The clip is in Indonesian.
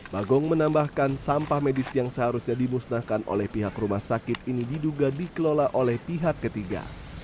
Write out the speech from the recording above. bagong menambahkan sampah medis yang seharusnya dimusnahkan oleh pihak rumah sakit ini diduga dikelola oleh pihak ketiga